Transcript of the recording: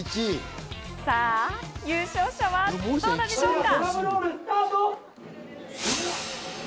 さぁ優勝者は誰なんでしょうか？